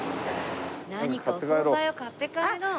何かお総菜を買って帰ろう。